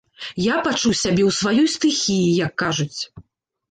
Я пачуў сябе ў сваёй стыхіі, як кажуць.